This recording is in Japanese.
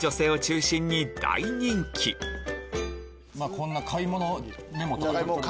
こんな買い物メモとか。